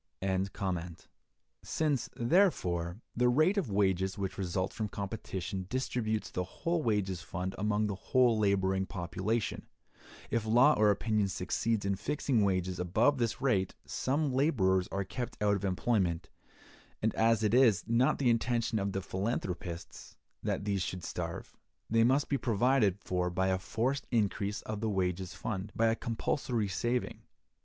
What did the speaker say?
Since, therefore, the rate of wages which results from competition distributes the whole wages fund among the whole laboring population, if law or opinion succeeds in fixing wages above this rate, some laborers are kept out of employment; and as it is not the intention of the philanthropists that these should starve, they must be provided for by a forced increase of the wages fund—by a compulsory saving.